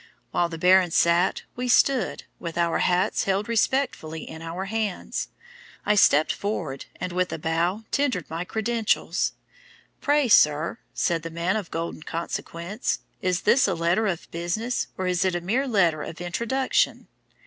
While the Baron sat, we stood, with our hats held respectfully in our hands. I stepped forward, and with a bow tendered my credentials. 'Pray, sir,' said the man of golden consequence, 'is this a letter of business, or is it a mere letter of introduction?'